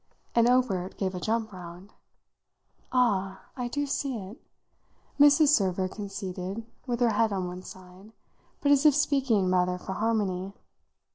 and Obert gave a jump round. "Ah I do see it," Mrs. Server conceded with her head on one side, but as if speaking rather for harmony.